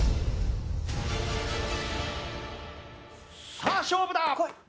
さあ勝負だ！